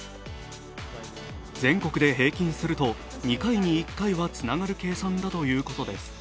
全国で平均すると２回に１回はつながる計算だということです。